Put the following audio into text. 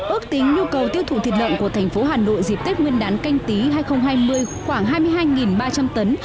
ước tính nhu cầu tiêu thụ thịt lợn của thành phố hà nội dịp tết nguyên đán canh tí hai nghìn hai mươi khoảng hai mươi hai ba trăm linh tấn